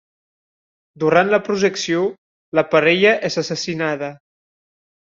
Durant la projecció, la parella és assassinada.